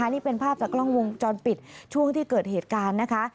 นี่เป็นภาพจากกล้องวงจรปิดช่วงที่เกิดเหตุการณ์นะคะ